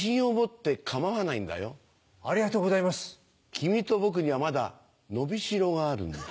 君と僕にはまだ伸び代があるんだよ。